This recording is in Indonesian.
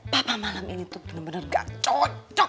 bapak malam ini tuh bener bener gak cocok